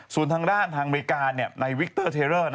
ส่วนทางด้านทางอเมริกาในวิกเตอร์เทเลอร์